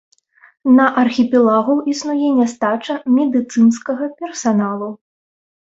На архіпелагу існуе нястача медыцынскага персаналу.